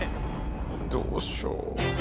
どうしよう。